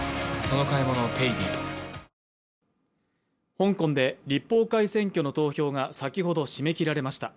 香港で立法会選挙の投票が先ほど締め切られました。